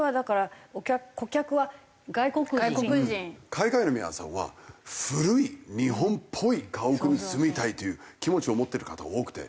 海外の皆さんは古い日本っぽい家屋に住みたいという気持ちを持ってる方が多くて。